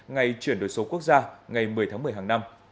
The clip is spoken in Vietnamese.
ngày chuyển đổi số quốc gia ngày một mươi tháng một mươi hàng năm